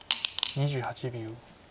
２８秒。